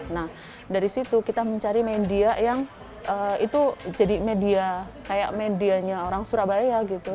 nah dari situ kita mencari media yang itu jadi media kayak medianya orang surabaya gitu